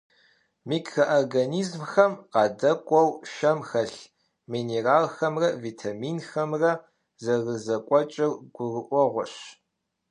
Микроорганизмхэм къадэкӀуэу, шэм хэлъ минералхэмрэ витаминхэмрэ зэрызэкӀуэкӀыр гурыӀуэгъуэщ.